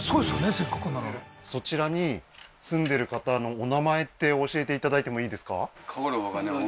せっかくならそちらに住んでる方のお名前って教えていただいてもいいですか？